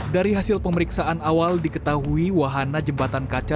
dari hasil pemeriksaan awal diketahui wahana jembatan kaca